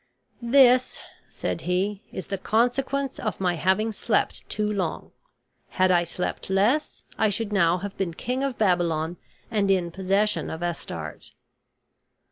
"This," said he, "is the consequence of my having slept too long. Had I slept less, I should now have been King of Babylon and in possession of Astarte.